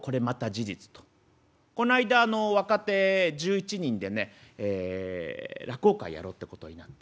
こないだあの若手１１人でねえ落語会やろうってことになって。